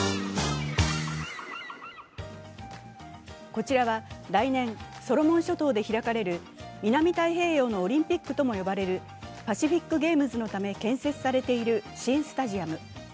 こちらは来年、ソロモン諸島で開かれる南太平洋のオリンピックとも呼ばれるパシフィックゲームズのため建設されている新スタジアム。